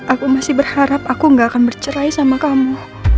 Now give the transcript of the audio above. aku masih berharap aku gak akan bercerai sama kamu